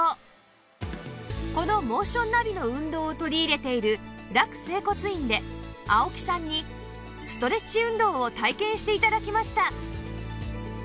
このモーションナビの運動を取り入れている楽整骨院で青木さんにストレッチ運動を体験して頂きました